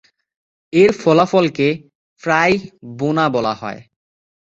এর ফলাফলকে প্রায়ই "বোনা" বলা হয়।